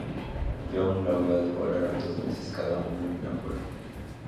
Young y Lovell volaron dos veces, cada uno, en el Apolo.